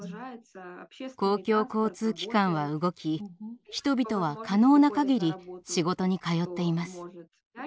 公共交通機関は動き人々は可能なかぎり仕事に通っています。